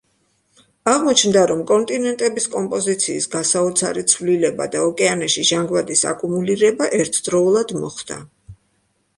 აღმოჩნდა, რომ კონტინენტების კომპოზიციის გასაოცარი ცვლილება და ოკეანეში ჟანგბადის აკუმულირება ერთდროულად მოხდა.